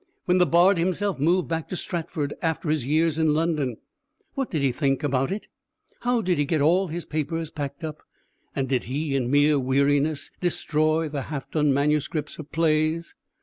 When the Bard himself moved back to Stratford after his years in London, what did he think about it? How did he get all his papers packed up, and did he, in mere weariness, destroy the half done manuscripts of plays?